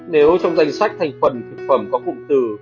nếu trong danh sách thành phần thực phẩm có cụm từ